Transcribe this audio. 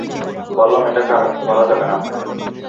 বললাম এটা করা যাবে না।